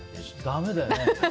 だめだよね。